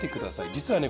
実はね